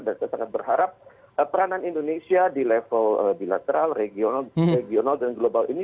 dan saya sangat berharap peranan indonesia di level bilateral regional dan global ini